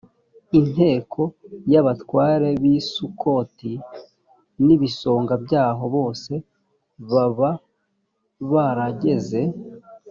inteko y’ abatware b’ i sukoti n’ ibisonga byaho bose baba barageze